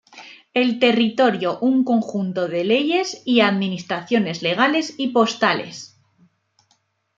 El territorio un conjunto de leyes, y administraciones legales y postales.